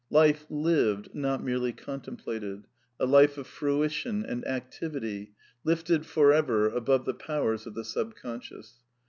Life lived, not merely contemplated; a life of "fruition and activity," lifted for ever above the powers of the Subconscious.